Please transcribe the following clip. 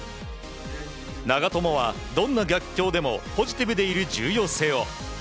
長友はどんな逆境でもポジティブでいる重要性を。